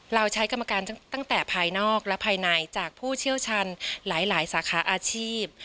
เราใช้กรรมการตั้งแต่ภายนอกและภายในจากผู้เชี่ยวชาญหลายสาขาอาชีพ